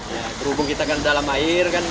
ya berhubung kita kan dalam air kan